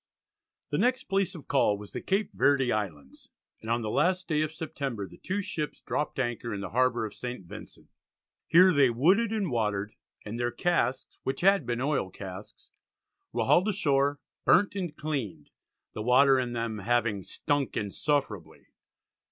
The next place of call was the Cape Verde Islands and on the last day of September the two ships dropped anchor in the harbour of St. Vincent. Here they wooded and watered, and their casks, which had been oil casks, were hauled ashore, burnt and cleaned the water in them having "stunk insufferably."